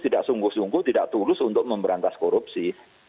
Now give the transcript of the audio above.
tidak sungguh sungguh tidak tulus untuk memberantas korupsi